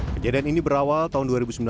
kejadian ini berawal tahun dua ribu sembilan belas